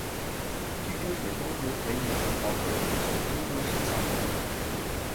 聚锥水东哥为猕猴桃科水东哥属下的一个种。